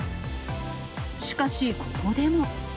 しかし、ここでも。